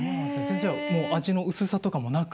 じゃあもう味の薄さとかもなく？